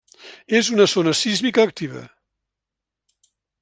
És una zona sísmica activa.